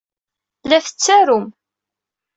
La tettarum.